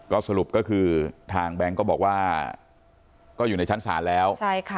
ก็สรุปก็คือทางแบงค์ก็บอกว่าก็อยู่ในชั้นศาลแล้ว